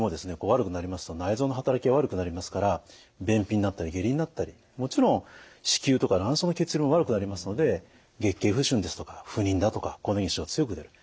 悪くなりますと内臓の働きが悪くなりますから便秘になったり下痢になったりもちろん子宮とか卵巣の血流も悪くなりますので月経不順ですとか不妊だとか更年期症状が強く出る。